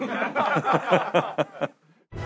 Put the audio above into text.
ハハハハハ。